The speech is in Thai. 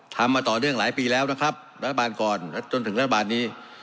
มาต่อเนื่องหลายปีแล้วนะครับรัฐบาลก่อนจนถึงรัฐบาลนี้